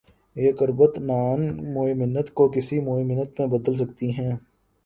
یہ قربت non movement کو کسی موومنٹ میں بدل سکتی ہے۔